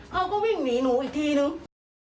เขาก็วิ่งหนีหนูอีกทีนึง